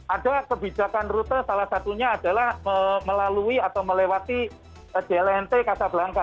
ada kebijakan rute salah satunya adalah melalui atau melewati jlnt kasablangka